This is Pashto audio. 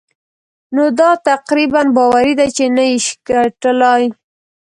نو دا تقريباً باوري ده چې نه يې شې ګټلای.